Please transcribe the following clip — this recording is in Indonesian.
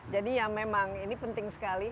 jadi ya memang ini penting sekali